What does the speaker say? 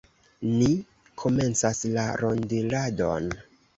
Ni komencas la rondiradon.